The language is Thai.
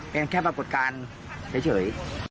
เป็นแค่ปรากฏการณ์เฉย